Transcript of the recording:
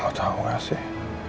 kamu tau gak sih